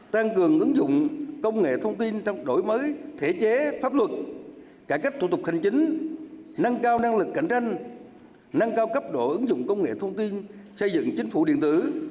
tăng cường ứng dụng công nghệ thông tin trong đổi mới thể chế pháp luật cải cách thủ tục hành chính nâng cao năng lực cạnh tranh nâng cao cấp độ ứng dụng công nghệ thông tin xây dựng chính phủ điện tử